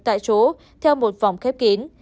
tại chỗ theo một vòng khép kín